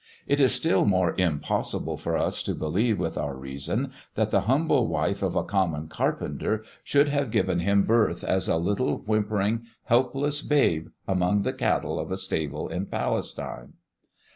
It is still more impossible for us to believe with our reason that the humble wife of a common carpenter should have given Him birth as a little, whimpering, helpless babe among the cattle of a stable in Palestine.